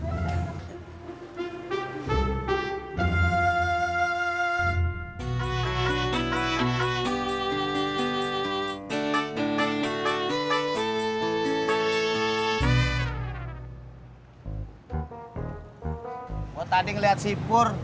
gue tadi ngeliat si pur